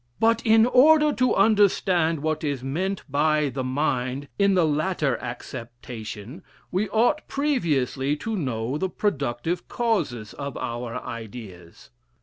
But in order to understand what is meant by the Mind, in the latter acceptation, we ought previously to know the productive causes of our ideas.